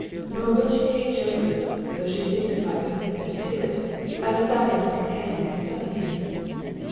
Nor will she take Joseph; though she signifies her consent to it, by desiring the companion to summon him.